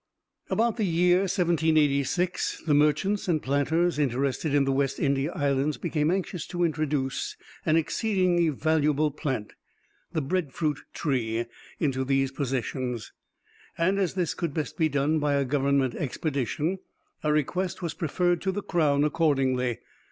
About the year 1786, the merchants and planters interested in the West India Islands became anxious to introduce an exceedingly valuable plant, the bread fruit tree, into these possessions, and as this could best be done by a government expedition, a request was preferred to the crown accordingly.